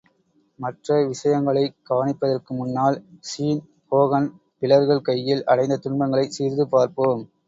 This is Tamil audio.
மற்ற விஷயங்களைக் கவனிப்பதற்கு முன்னால் ஸீன் ஹோகன், பிலர்கள் கையில் அடைந்த துன்பங்களைச் சிறிது பார்ப்போம்.